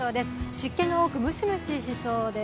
湿気が多くムシムシしそうです。